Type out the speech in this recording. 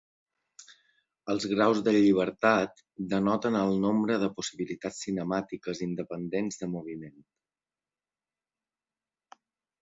Els graus de llibertat denoten el nombre de possibilitats cinemàtiques independents de moviment.